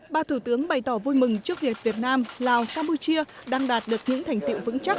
ba thủ tướng bày tỏ vui mừng trước việc việt nam lào campuchia đang đạt được những thành tiệu vững chắc